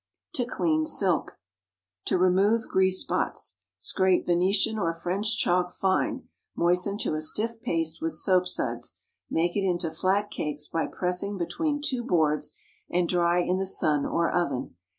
TO CLEAN SILK. To Remove Grease Spots.—Scrape Venetian or French chalk fine; moisten to a stiff paste with soap suds; make it into flat cakes by pressing between two boards, and dry in the sun or oven.